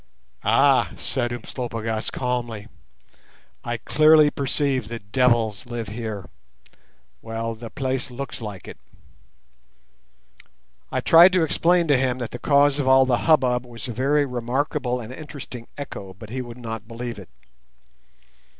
"Ah," said Umslopogaas calmly, "I clearly perceive that devils live here. Well, the place looks like it." I tried to explain to him that the cause of all the hubbub was a very remarkable and interesting echo, but he would not believe it.